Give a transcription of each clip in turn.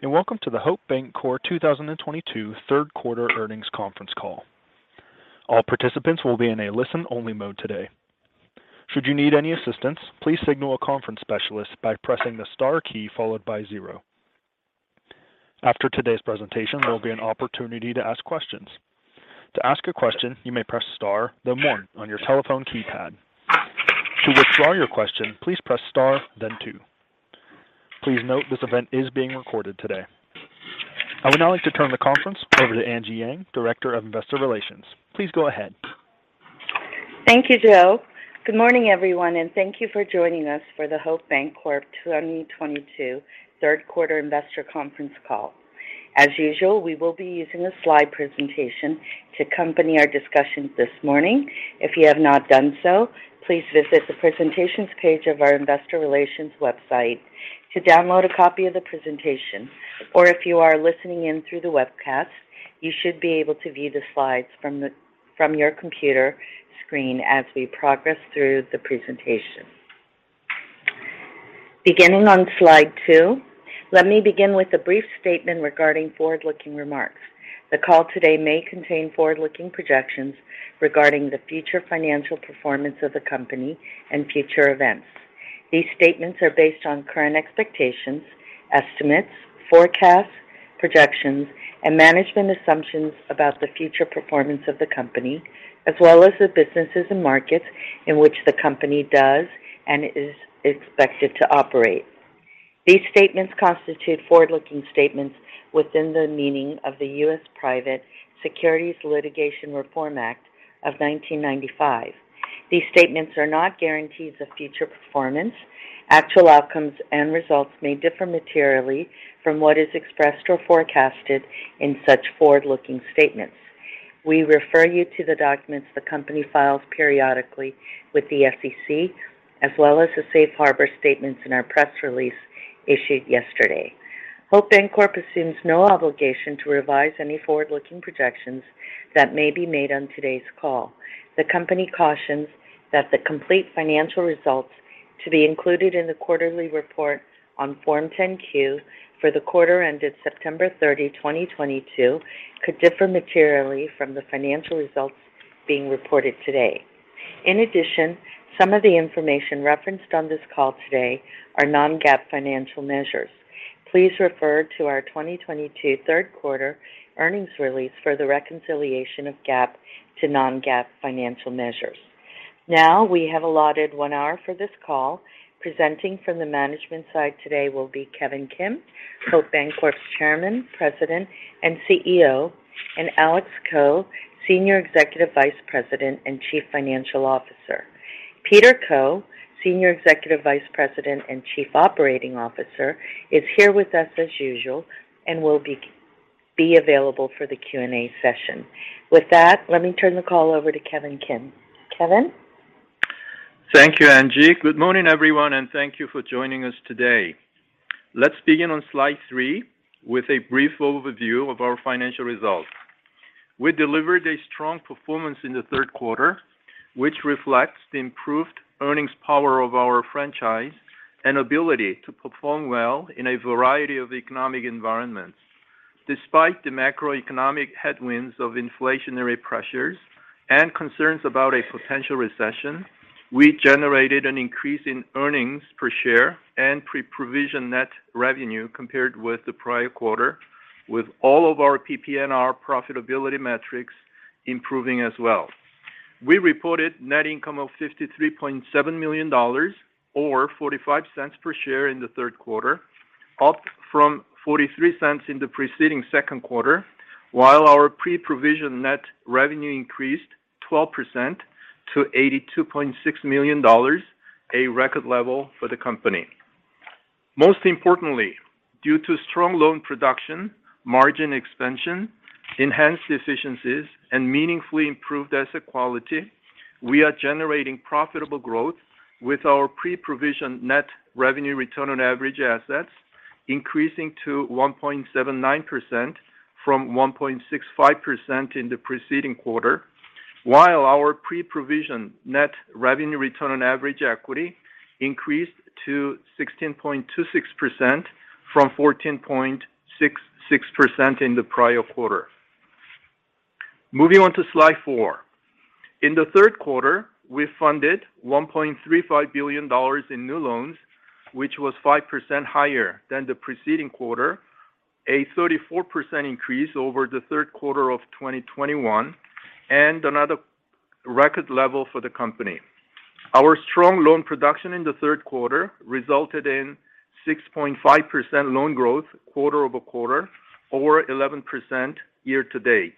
Good day, and welcome to the Hope Bancorp 2022 Third Quarter Earnings Conference Call. All participants will be in a listen only mode today. Should you need any assistance, please signal a conference specialist by pressing the star key followed by zero. After today's presentation there will be an opportunity to ask questions. To ask a question, you may press star, then one on your telephone keypad. To withdraw your question, please press star, then two. Please note this event is being recorded today. I would now like to turn the conference over to Angie Yang, Director of Investor Relations. Please go ahead. Thank you, Joe. Good morning, everyone, and thank you for joining us for the Hope Bancorp 2022 third quarter investor conference call. As usual, we will be using a slide presentation to accompany our discussions this morning. If you have not done so, please visit the presentations page of our investor relations website to download a copy of the presentation. Or if you are listening in through the webcast, you should be able to view the slides from your computer screen as we progress through the presentation. Beginning on slide two. Let me begin with a brief statement regarding forward-looking remarks. The call today may contain forward-looking projections regarding the future financial performance of the company and future events. These statements are based on current expectations, estimates, forecasts, projections, and management assumptions about the future performance of the company, as well as the businesses and markets in which the company does and is expected to operate. These statements constitute forward-looking statements within the meaning of the Private Securities Litigation Reform Act of 1995. These statements are not guarantees of future performance. Actual outcomes and results may differ materially from what is expressed or forecasted in such forward-looking statements. We refer you to the documents the company files periodically with the SEC, as well as the safe harbor statements in our press release issued yesterday. Hope Bancorp assumes no obligation to revise any forward-looking projections that may be made on today's call. The company cautions that the complete financial results to be included in the quarterly report on Form 10-Q for the quarter ended September 30, 2022, could differ materially from the financial results being reported today. In addition, some of the information referenced on this call today are non-GAAP financial measures. Please refer to our 2022 third quarter earnings release for the reconciliation of GAAP to non-GAAP financial measures. Now, we have allotted one hour for this call. Presenting from the management side today will be Kevin Kim, Hope Bancorp's Chairman, President, and CEO, and Alex Ko, Senior Executive Vice President and Chief Financial Officer. Peter Ko, Senior Executive Vice President and Chief Operating Officer, is here with us as usual and will be available for the Q&A session. With that, let me turn the call over to Kevin Kim. Kevin. Thank you, Angie. Good morning, everyone, and thank you for joining us today. Let's begin on slide three with a brief overview of our financial results. We delivered a strong performance in the third quarter, which reflects the improved earnings power of our franchise and ability to perform well in a variety of economic environments. Despite the macroeconomic headwinds of inflationary pressures and concerns about a potential recession, we generated an increase in earnings per share and pre-provision net revenue compared with the prior quarter, with all of our PPNR profitability metrics improving as well. We reported net income of $53.7 million or $0.45 per share in the third quarter, up from $0.43 in the preceding second quarter. While our pre-provision net revenue increased 12% to $82.6 million, a record level for the company. Most importantly, due to strong loan production, margin expansion, enhanced efficiencies, and meaningfully improved asset quality, we are generating profitable growth with our pre-provision net revenue return on average assets increasing to 1.79% from 1.65% in the preceding quarter. While our pre-provision net revenue return on average equity increased to 16.26% from 14.66% in the prior quarter. Moving on to slide four. In the third quarter, we funded $1.35 billion in new loans, which was 5% higher than the preceding quarter, a 34% increase over the third quarter of 2021, and another record level for the company. Our strong loan production in the third quarter resulted in 6.5% loan growth quarter-over-quarter or 11% year-to-date.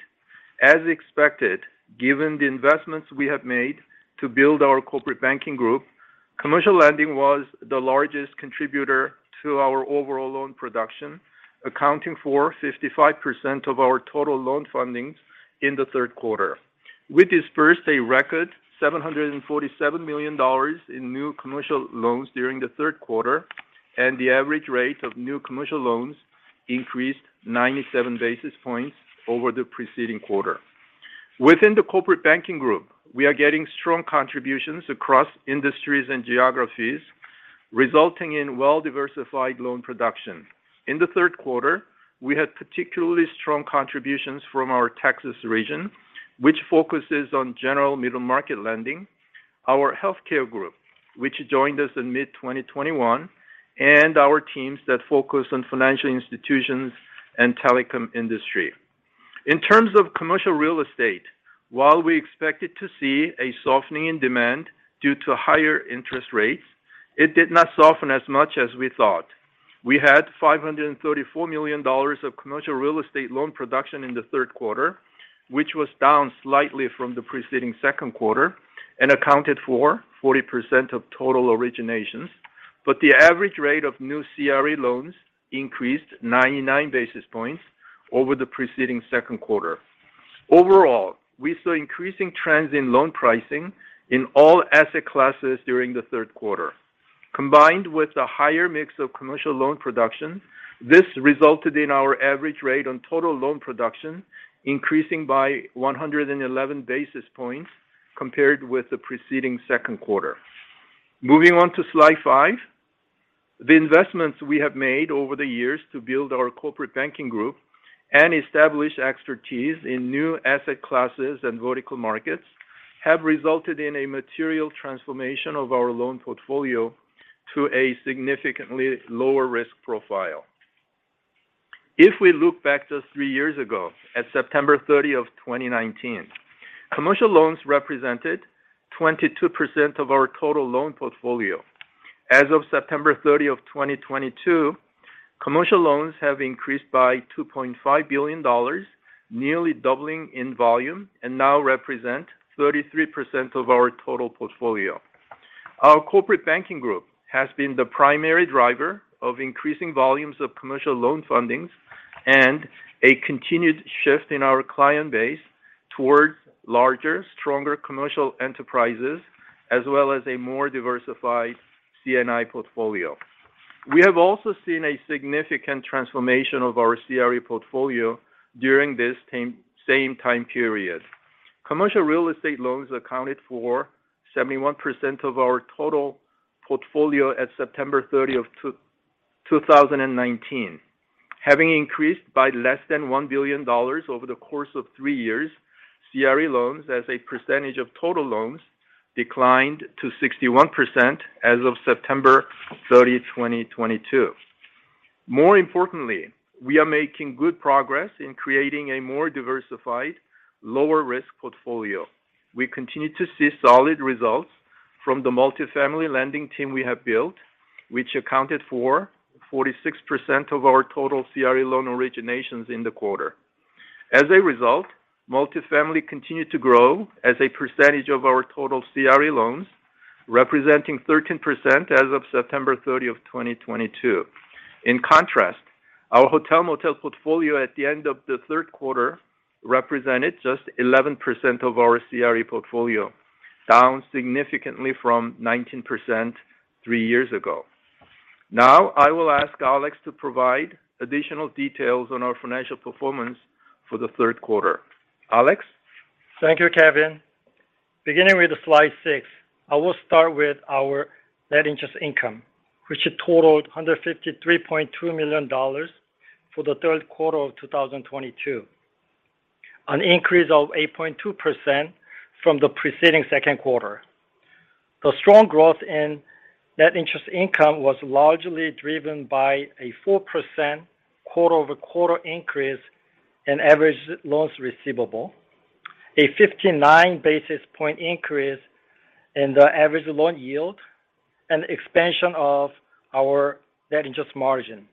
As expected, given the investments we have made to build our corporate banking group, commercial lending was the largest contributor to our overall loan production, accounting for 55% of our total loan fundings in the third quarter. We dispersed a record $747 million in new commercial loans during the third quarter, and the average rate of new commercial loans increased 97 basis points over the preceding quarter. Within the corporate banking group, we are getting strong contributions across industries and geographies, resulting in well-diversified loan production. In the third quarter, we had particularly strong contributions from our Texas region, which focuses on general middle-market lending, our healthcare group, which joined us in mid-2021, and our teams that focus on financial institutions and telecom industry. In terms of commercial real estate, while we expected to see a softening in demand due to higher interest rates, it did not soften as much as we thought. We had $534 million of commercial real estate loan production in the third quarter, which was down slightly from the preceding second quarter and accounted for 40% of total originations. The average rate of new CRE loans increased 99 basis points over the preceding second quarter. Overall, we saw increasing trends in loan pricing in all asset classes during the third quarter. Combined with a higher mix of commercial loan production, this resulted in our average rate on total loan production increasing by 111 basis points compared with the preceding second quarter. Moving on to slide five. The investments we have made over the years to build our corporate banking group and establish expertise in new asset classes and vertical markets have resulted in a material transformation of our loan portfolio to a significantly lower risk profile. If we look back just three years ago at September 30, 2019, commercial loans represented 22% of our total loan portfolio. As of September 30, 2022, commercial loans have increased by $2.5 billion, nearly doubling in volume and now represent 33% of our total portfolio. Our corporate banking group has been the primary driver of increasing volumes of commercial loan fundings and a continued shift in our client base towards larger, stronger commercial enterprises, as well as a more diversified C&I portfolio. We have also seen a significant transformation of our CRE portfolio during this same time period. Commercial real estate loans accounted for 71% of our total portfolio at September 30, 2019. Having increased by less than $1 billion over the course of three years, CRE loans as a percentage of total loans declined to 61% as of September 30, 2022. More importantly, we are making good progress in creating a more diversified, lower risk portfolio. We continue to see solid results from the multifamily lending team we have built, which accounted for 46% of our total CRE loan originations in the quarter. As a result, multifamily continued to grow as a percentage of our total CRE loans, representing 13% as of September 30, 2022. In contrast, our hotel/motel portfolio at the end of the third quarter represented just 11% of our CRE portfolio, down significantly from 19% three years ago. Now, I will ask Alex to provide additional details on our financial performance for the third quarter. Alex? Thank you, Kevin. Beginning with slide six, I will start with our net interest income, which totaled $153.2 million for the third quarter of 2022, an increase of 8.2% from the preceding second quarter. The strong growth in net interest income was largely driven by a 4% quarter-over-quarter increase in average loans receivable, a 59 basis point increase in the average loan yield, and expansion of our net interest margin.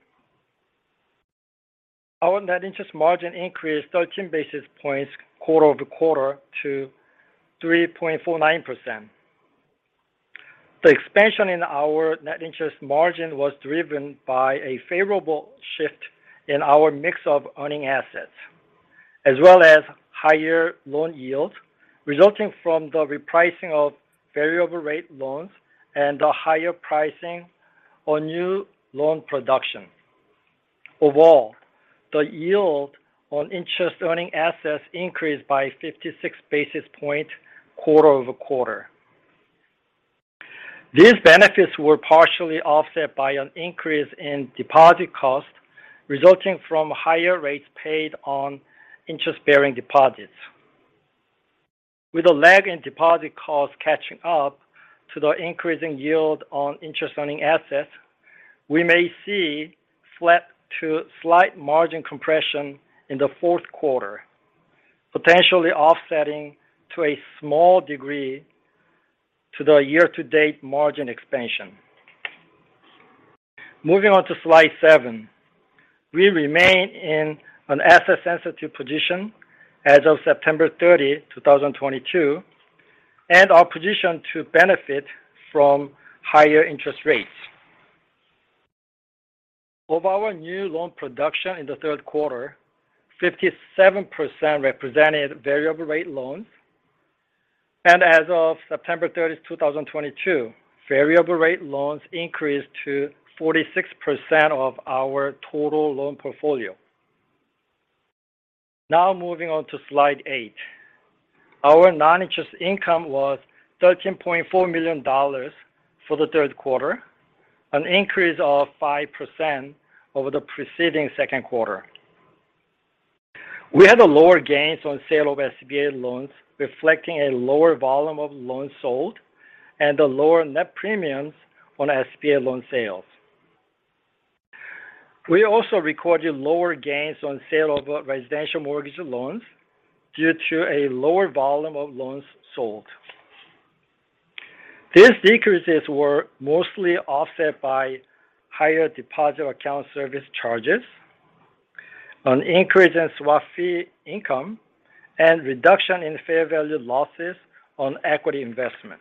Our net interest margin increased 13 basis points quarter-over-quarter to 3.49%. The expansion in our net interest margin was driven by a favorable shift in our mix of earning assets, as well as higher loan yields resulting from the repricing of variable rate loans and the higher pricing on new loan production. Overall, the yield on interest earning assets increased by 56 basis points quarter-over-quarter. These benefits were partially offset by an increase in deposit costs resulting from higher rates paid on interest-bearing deposits. With a lag in deposit costs catching up to the increasing yield on interest-earning assets, we may see flat to slight margin compression in the fourth quarter, potentially offsetting to a small degree to the year-to-date margin expansion. Moving on to slide seven. We remain in an asset-sensitive position as of September 30, 2022, and are positioned to benefit from higher interest rates. Of our new loan production in the third quarter, 57% represented variable rate loans. As of September 30, 2022, variable rate loans increased to 46% of our total loan portfolio. Now moving on to slide eight. Our non-interest income was $13.4 million for the third quarter, an increase of 5% over the preceding second quarter. We had lower gains on sale of SBA loans, reflecting a lower volume of loans sold and the lower net premiums on SBA loan sales. We also recorded lower gains on sale of residential mortgage loans due to a lower volume of loans sold. These decreases were mostly offset by higher deposit account service charges, an increase in swap fee income, and reduction in fair value losses on equity investment.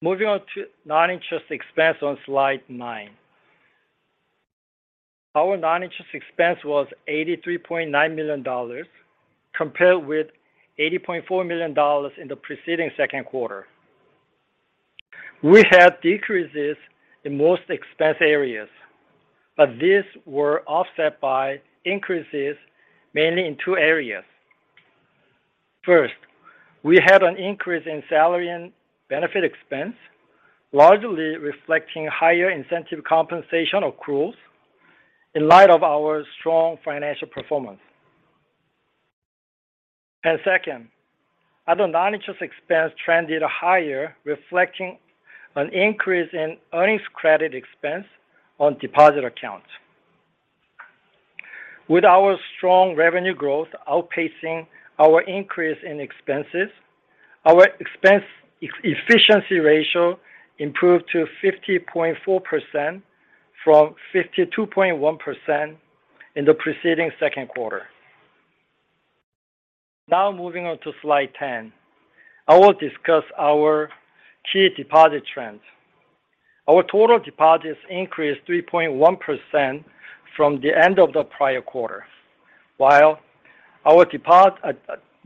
Moving on to non-interest expense on slide nine. Our non-interest expense was $83.9 million, compared with $80.4 million in the preceding second quarter. We had decreases in most expense areas, but these were offset by increases mainly in two areas. First, we had an increase in salary and benefit expense, largely reflecting higher incentive compensation accruals in light of our strong financial performance. Second, other non-interest expense trended higher, reflecting an increase in earnings credit expense on deposit accounts. With our strong revenue growth outpacing our increase in expenses, our expense efficiency ratio improved to 50.4% from 52.1% in the preceding second quarter. Now moving on to slide 10, I will discuss our key deposit trends. Our total deposits increased 3.1% from the end of the prior quarter. While our deposit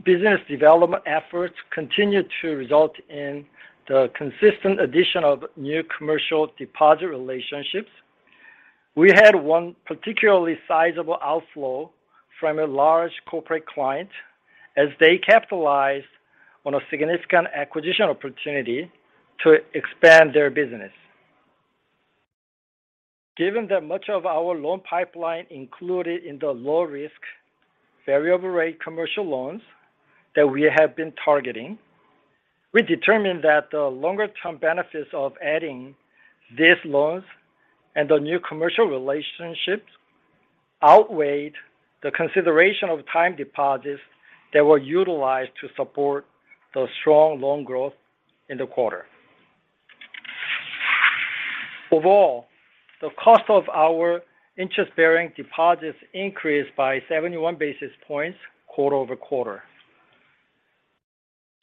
business development efforts continued to result in the consistent addition of new commercial deposit relationships, we had one particularly sizable outflow from a large corporate client as they capitalized on a significant acquisition opportunity to expand their business. Given that much of our loan pipeline included in the low risk variable rate commercial loans that we have been targeting, we determined that the longer term benefits of adding these loans and the new commercial relationships outweighed the consideration of time deposits that were utilized to support the strong loan growth in the quarter. Overall, the cost of our interest-bearing deposits increased by 71 basis points quarter-over-quarter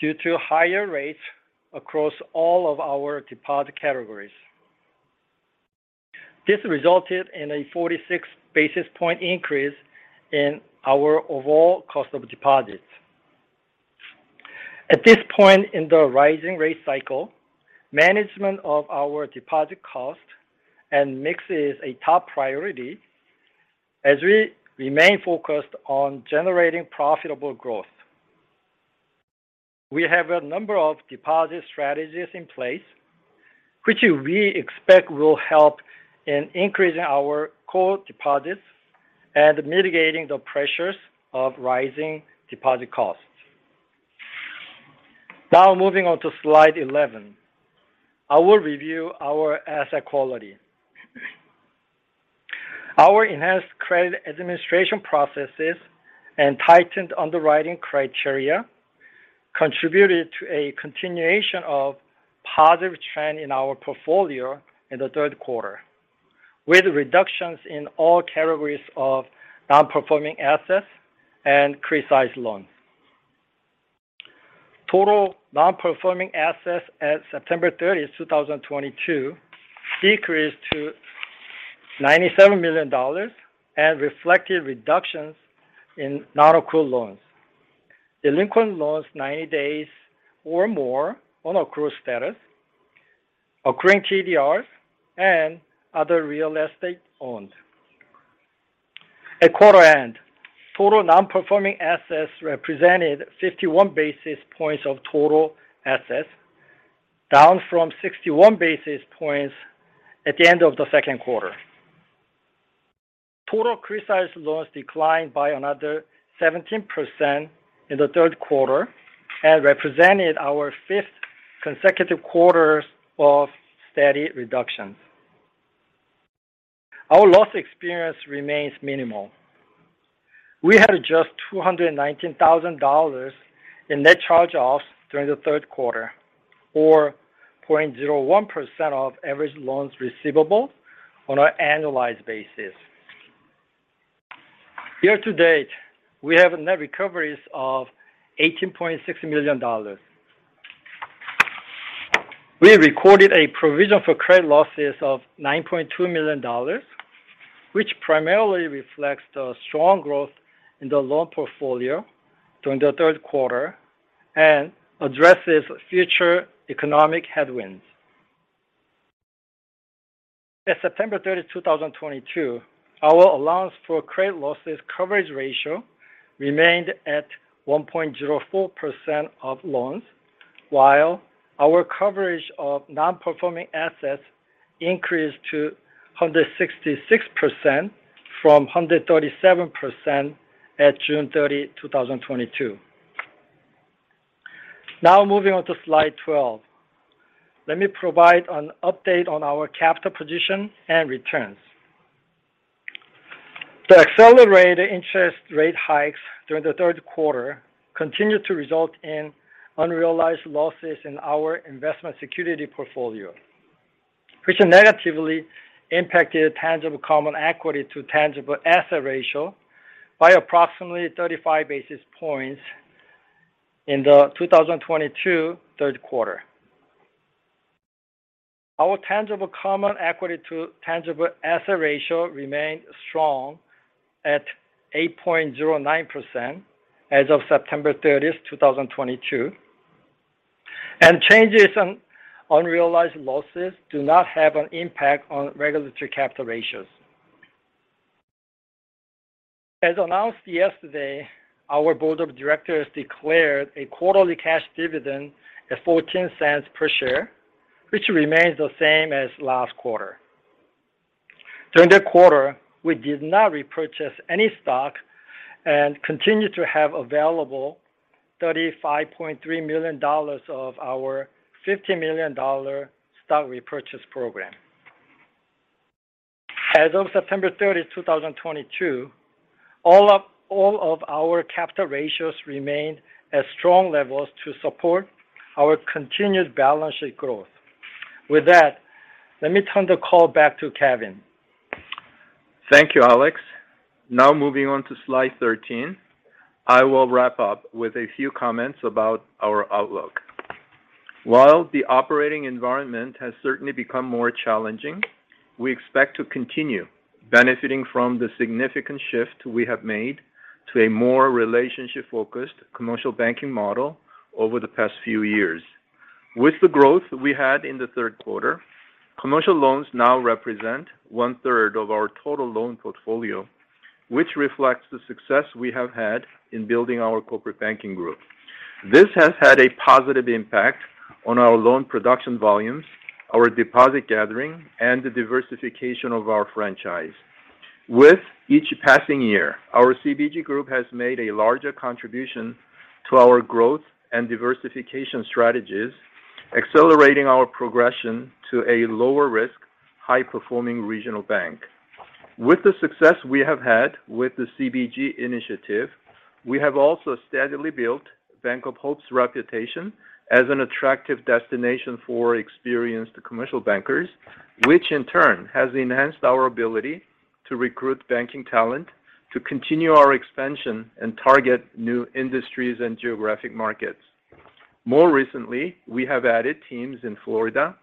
due to higher rates across all of our deposit categories. This resulted in a 46 basis point increase in our overall cost of deposits. At this point in the rising rate cycle, management of our deposit cost and mix is a top priority as we remain focused on generating profitable growth. We have a number of deposit strategies in place, which we expect will help in increasing our core deposits and mitigating the pressures of rising deposit costs. Now moving on to slide 11. I will review our asset quality. Our enhanced credit administration processes and tightened underwriting criteria contributed to a continuation of positive trend in our portfolio in the third quarter, with reductions in all categories of non-performing assets and criticized loans. Total non-performing assets at September 30, 2022 decreased to $97 million and reflected reductions in non-accrual loans, delinquent loans 90 days or more on accrual status, accruing TDRs, and other real estate owned. At quarter end, total non-performing assets represented 51 basis points of total assets, down from 61 basis points at the end of the second quarter. Total criticized loans declined by another 17% in the third quarter and represented our fifth consecutive quarters of steady reductions. Our loss experience remains minimal. We had just $219,000 in net charge-offs during the third quarter, or 0.01% of average loans receivable on an annualized basis. Year to date, we have net recoveries of $18.6 million. We recorded a provision for credit losses of $9.2 million, which primarily reflects the strong growth in the loan portfolio during the third quarter and addresses future economic headwinds. At September 30, 2022, our allowance for credit losses coverage ratio remained at 1.04% of loans, while our coverage of non-performing assets increased to 166% from 137% at June 30, 2022. Now moving on to slide 12. Let me provide an update on our capital position and returns. The accelerated interest rate hikes during the third quarter continued to result in unrealized losses in our investment security portfolio, which negatively impacted tangible common equity to tangible asset ratio by approximately 35 basis points in the 2022 third quarter. Our tangible common equity to tangible asset ratio remained strong at 8.09% as of September 30, 2022. Changes on unrealized losses do not have an impact on regulatory capital ratios. As announced yesterday, our board of directors declared a quarterly cash dividend at $0.14 per share, which remains the same as last quarter. During the quarter, we did not repurchase any stock and continue to have available $35.3 million of our $50 million stock repurchase program. As of September 30, 2022, all of our capital ratios remain at strong levels to support our continued balanced growth. With that, let me turn the call back to Kevin. Thank you, Alex. Now moving on to slide 13. I will wrap up with a few comments about our outlook. While the operating environment has certainly become more challenging, we expect to continue benefiting from the significant shift we have made to a more relationship-focused commercial banking model over the past few years. With the growth we had in the third quarter, commercial loans now represent 1/3 of our total loan portfolio, which reflects the success we have had in building our corporate banking group. This has had a positive impact on our loan production volumes, our deposit gathering, and the diversification of our franchise. With each passing year, our CBG group has made a larger contribution to our growth and diversification strategies, accelerating our progression to a lower risk, high-performing regional bank. With the success we have had with the CBG initiative, we have also steadily built Bank of Hope's reputation as an attractive destination for experienced commercial bankers, which in turn has enhanced our ability to recruit banking talent to continue our expansion and target new industries and geographic markets. More recently, we have added teams in Florida,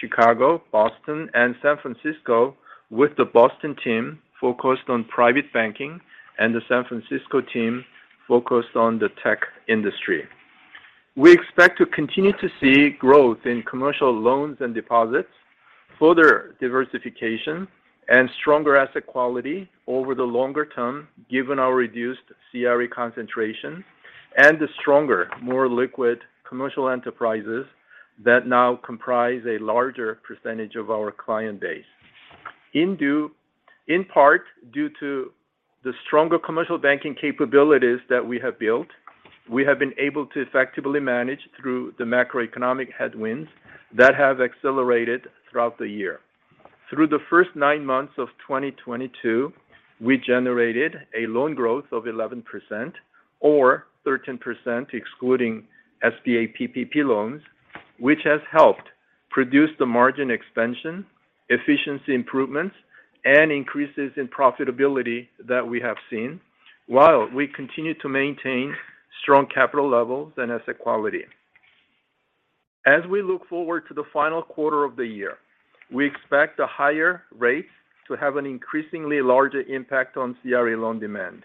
Chicago, Boston, and San Francisco, with the Boston team focused on private banking and the San Francisco team focused on the tech industry. We expect to continue to see growth in commercial loans and deposits, further diversification, and stronger asset quality over the longer term, given our reduced CRE concentration and the stronger, more liquid commercial enterprises that now comprise a larger percentage of our client base. In part due to the stronger commercial banking capabilities that we have built, we have been able to effectively manage through the macroeconomic headwinds that have accelerated throughout the year. Through the first nine months of 2022, we generated a loan growth of 11% or 13% excluding SBA PPP loans, which has helped produce the margin expansion, efficiency improvements, and increases in profitability that we have seen while we continue to maintain strong capital levels and asset quality. As we look forward to the final quarter of the year, we expect the higher rates to have an increasingly larger impact on CRE loan demand.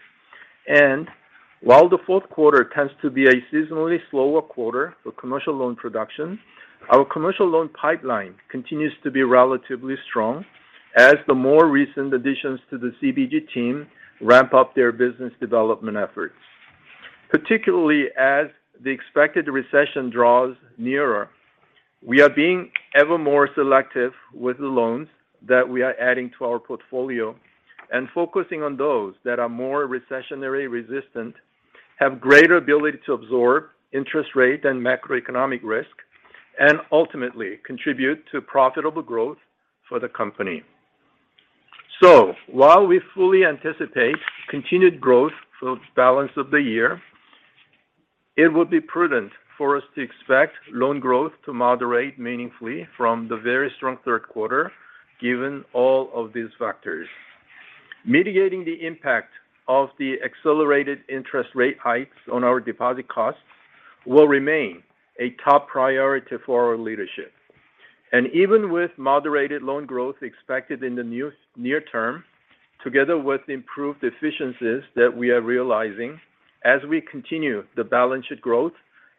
While the fourth quarter tends to be a seasonally slower quarter for commercial loan production, our commercial loan pipeline continues to be relatively strong as the more recent additions to the CBG team ramp up their business development efforts. Particularly as the expected recession draws nearer, we are being ever more selective with the loans that we are adding to our portfolio and focusing on those that are more recessionary resistant, have greater ability to absorb interest rate and macroeconomic risk, and ultimately contribute to profitable growth for the company. While we fully anticipate continued growth for the balance of the year, it would be prudent for us to expect loan growth to moderate meaningfully from the very strong third quarter given all of these factors. Mitigating the impact of the accelerated interest rate hikes on our deposit costs will remain a top priority for our leadership. Even with moderated loan growth expected in the near term, together with improved efficiencies that we are realizing as we continue the balanced growth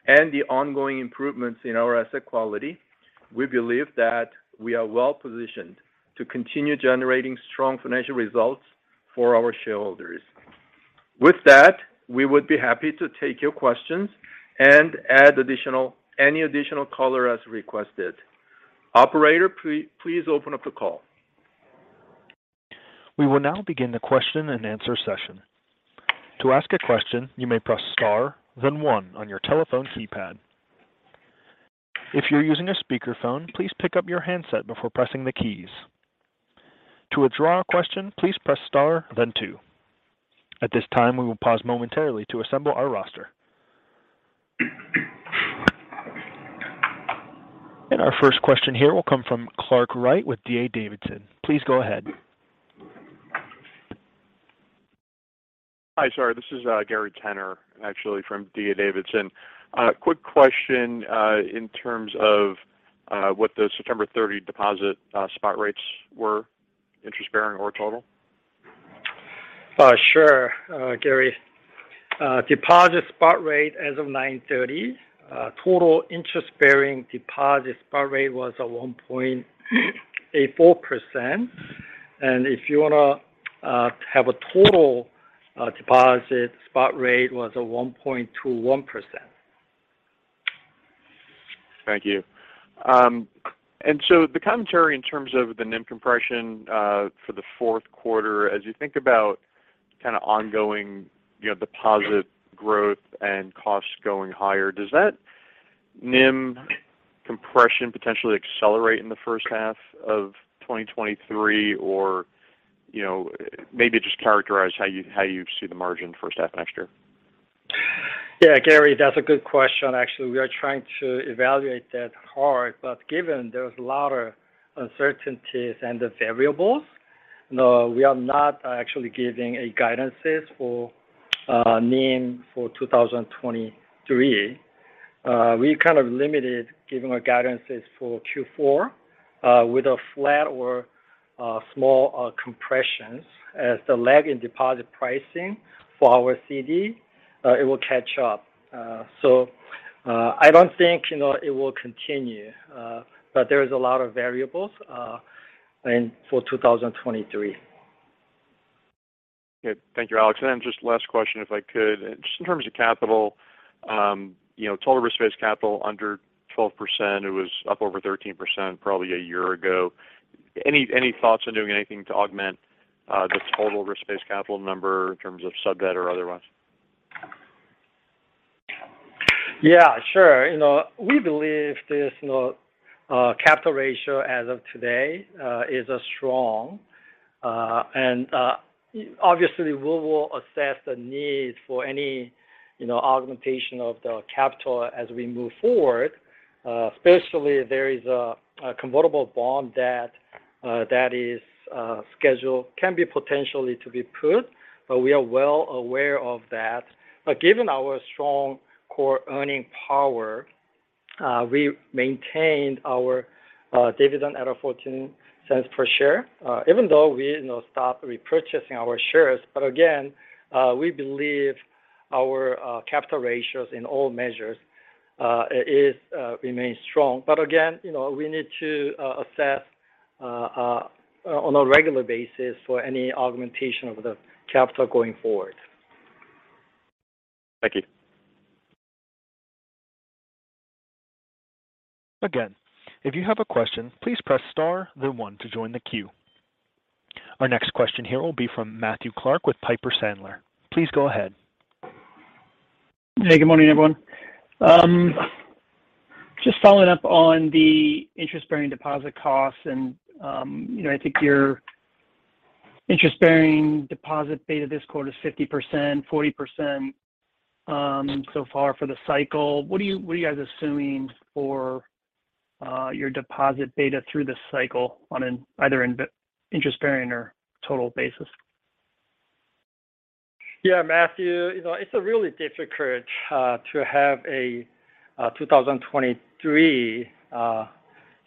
and the ongoing improvements in our asset quality, we believe that we are well-positioned to continue generating strong financial results for our shareholders. With that, we would be happy to take your questions and add any additional color as requested. Operator, please open up the call. We will now begin the question and answer session. To ask a question, you may press star, then one on your telephone keypad. If you're using a speakerphone, please pick up your handset before pressing the keys. To withdraw a question, please press star, then two. At this time, we will pause momentarily to assemble our roster. Our first question here will come from Gary Tenner with D.A. Davidson & Co. Please go ahead. Hi. Sorry. This is Gary Tenner actually from D.A. Davidson & Co. Quick question, in terms of what the September 30 deposit spot rates were, interest-bearing or total? Sure, Gary. Deposit spot rate as of 9:30, total interest-bearing deposit spot rate was at 1.84%. If you wanna have a total, deposit spot rate was at 1.21%. Thank you. The commentary in terms of the NIM compression for the fourth quarter, as you think about kinda ongoing, you know, deposit growth and costs going higher, does that NIM compression potentially accelerate in the first half of 2023? Or, you know, maybe just characterize how you see the margin first half next year. Yeah, Gary, that's a good question. Actually, we are trying to evaluate that hard, but given there's a lot of uncertainties and the variables, no, we are not actually giving guidance for NIM for 2023. We kind of limited giving our guidance for Q4 with a flat or small compression. As the lag in deposit pricing for our CD, it will catch up. I don't think, you know, it will continue. There is a lot of variables and for 2023. Okay. Thank you, Alex. Just last question, if I could. Just in terms of capital, you know, total risk-based capital under 12%, it was up over 13% probably a year ago. Any thoughts on doing anything to augment the total risk-based capital number in terms of sub-debt or otherwise? Yeah, sure. You know, we believe this, you know, capital ratio as of today is strong. Obviously we will assess the need for any, you know, augmentation of the capital as we move forward. Especially there is a convertible bond that that is scheduled can be potentially to be put, but we are well aware of that. Given our strong core earning power, we maintained our dividend at $0.14 per share, even though we, you know, stopped repurchasing our shares. Again, we believe our capital ratios in all measures is remain strong. Again, you know, we need to assess on a regular basis for any augmentation of the capital going forward. Thank you. Again, if you have a question, please press star then one to join the queue. Our next question here will be from Matthew Clark with Piper Sandler. Please go ahead. Hey, good morning, everyone. Just following up on the interest-bearing deposit costs and, you know, I think your interest-bearing deposit beta this quarter is 50%, 40% so far for the cycle. What are you guys assuming for your deposit beta through this cycle on an either interest-bearing or total basis? Yeah, Matthew, you know, it's really difficult to have a 2023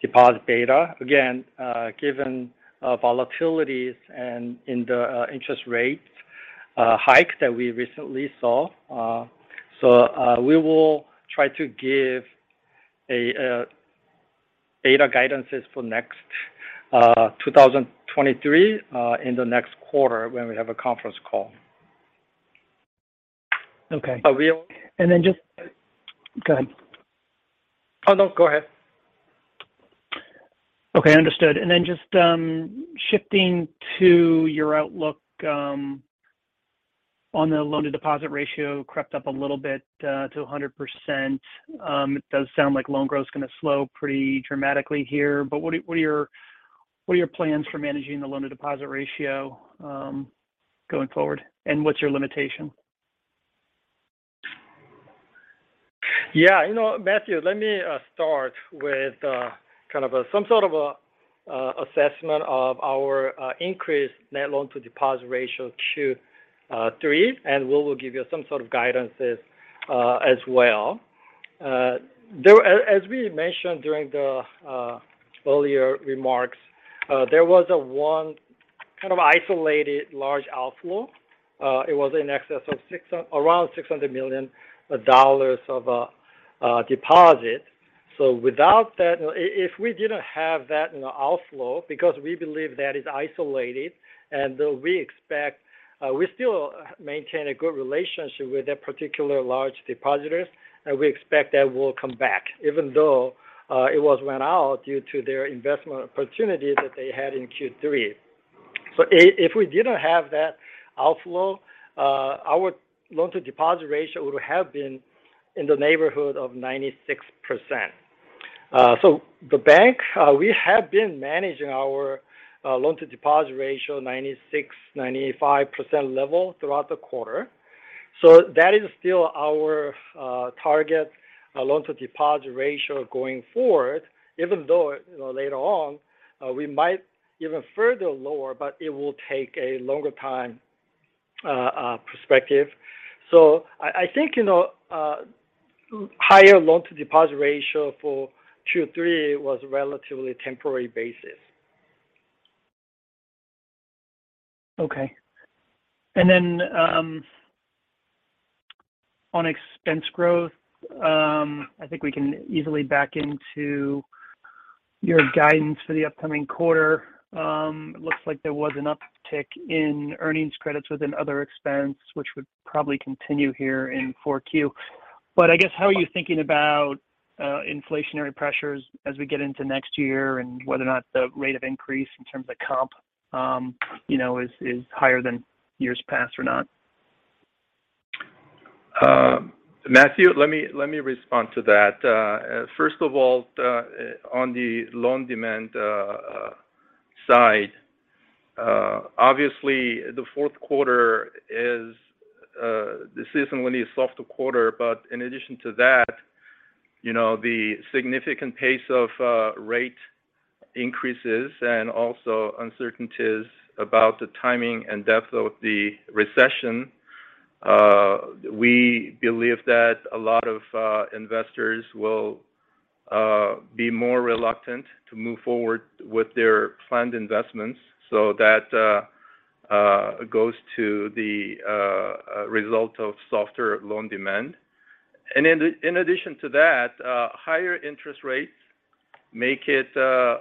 deposit beta, again, given volatilities in the interest rate hike that we recently saw. We will try to give a beta guidances for next 2023 in the next quarter when we have a conference call. Okay. But we'll- Go ahead. Oh, no, go ahead. Okay, understood. Shifting to your outlook on the loan-to-deposit ratio crept up a little bit to 100%. It does sound like loan growth is gonna slow pretty dramatically here. What are your plans for managing the loan-to-deposit ratio going forward, and what's your limitation? Yeah. You know, Matthew, let me start with some sort of assessment of our increased net loan to deposit ratio to three, and we will give you some sort of guidances as well. As we mentioned during the earlier remarks, there was one kind of isolated large outflow. It was in excess of around $600 million of deposit. Without that, if we didn't have that in the outflow, because we believe that is isolated, though we expect. We still maintain a good relationship with that particular large depositors, and we expect that will come back even though it was went out due to their investment opportunity that they had in Q3. If we didn't have that outflow, our loan to deposit ratio would have been in the neighborhood of 96%. The bank, we have been managing our loan to deposit ratio 96, 95% level throughout the quarter. That is still our target loan to deposit ratio going forward even though, you know, later on, we might even further lower, but it will take a longer time perspective. I think, you know, higher loan to deposit ratio for Q3 was relatively temporary basis. Okay. On expense growth, I think we can easily back into your guidance for the upcoming quarter. Looks like there was an uptick in earnings credits within other expense, which would probably continue here in 4Q. I guess, how are you thinking about inflationary pressures as we get into next year, and whether or not the rate of increase in terms of comp, you know, is higher than years past or not? Matthew, let me respond to that. First of all, on the loan demand side, obviously the fourth quarter is the softest quarter. In addition to that, you know, the significant pace of rate increases and also uncertainties about the timing and depth of the recession, we believe that a lot of investors will be more reluctant to move forward with their planned investments. That goes to the result of softer loan demand. In addition to that, higher interest rates make it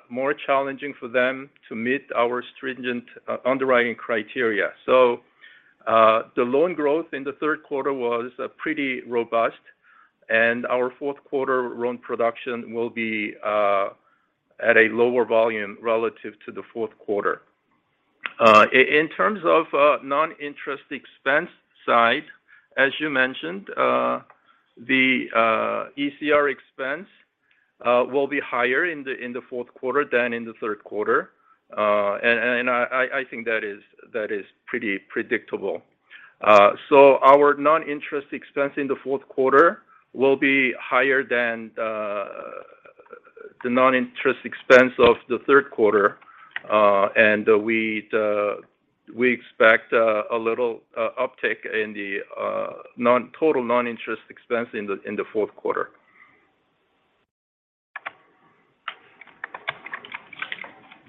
more challenging for them to meet our stringent underwriting criteria. The loan growth in the third quarter was pretty robust, and our fourth quarter loan production will be at a lower volume relative to the third quarter. In terms of non-interest expense side, as you mentioned, the ECR expense will be higher in the fourth quarter than in the third quarter. I think that is pretty predictable. Our non-interest expense in the fourth quarter will be higher than the non-interest expense of the third quarter. We expect a little uptick in the total non-interest expense in the fourth quarter.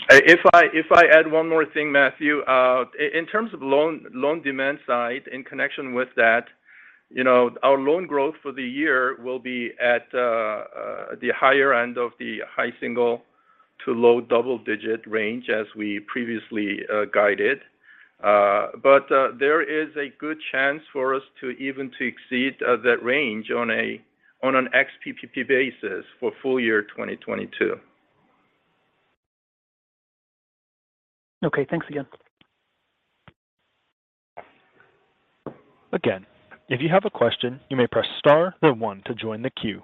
If I add one more thing, Matthew, in terms of loan demand side, in connection with that, you know, our loan growth for the year will be at the higher end of the high single to low double-digit range as we previously guided. There is a good chance for us to even to exceed that range on an ex-PPP basis for full year 2022. Okay, thanks again. Again, if you have a question, you may press star or one to join the queue.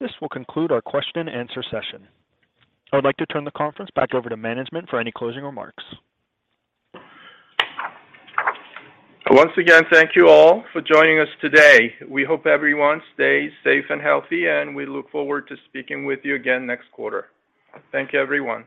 This will conclude our question and answer session. I would like to turn the conference back over to management for any closing remarks. Once again, thank you all for joining us today. We hope everyone stays safe and healthy, and we look forward to speaking with you again next quarter. Thank you, everyone.